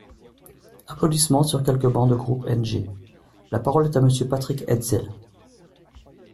(Applaudissements sur quelques bancs du groupe NG.) La parole est à Monsieur Patrick Hetzel.